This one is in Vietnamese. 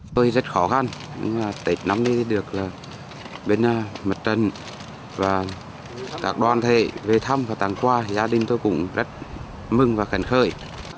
tôi rất khó khăn tết năm nay được bên mặt trận và các đoàn thể về thăm và tăng qua gia đình tôi cũng rất mừng và khẳng khởi